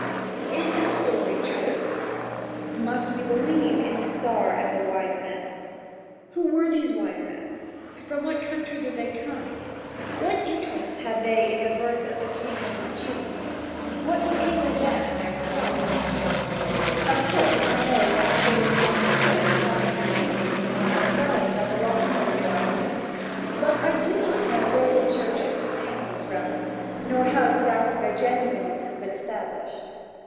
Is this story true? Must we believe in the star and the wise men? Who were these wise men? From what country did they come? What interest had they in the birth of the King of the Jews? What became of them and their star? Of course I know that the Holy Catholic Church has in her keeping the three skulls that belonged to these wise men, but I do not know where the church obtained these relics, nor exactly how their genuineness has been established.